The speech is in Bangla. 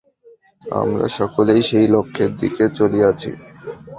আমরা সকলেই সেই লক্ষ্যের দিকে চলিয়াছি।